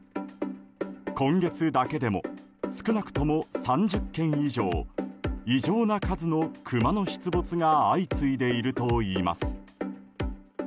今月だけでも少なくとも３０件以上異常な数のクマの出没が相次いでいるといいます。